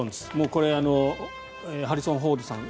これはハリソン・フォードさん